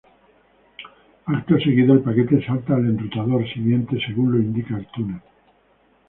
Acto seguido el paquete salta al enrutador siguiente según lo indica el túnel.